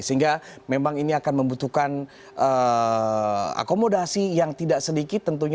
sehingga memang ini akan membutuhkan akomodasi yang tidak sedikit tentunya